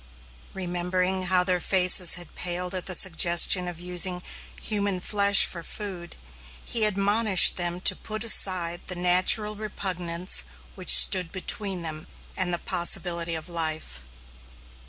Remembering how their faces had paled at the suggestion of using human flesh for food, he admonished them to put aside the natural repugnance which stood between them and the possibility of life.